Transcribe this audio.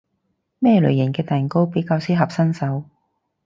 咩類型嘅蛋糕比較適合新手？